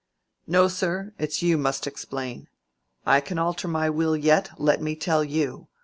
"No, sir, it's you must explain. I can alter my will yet, let me tell you.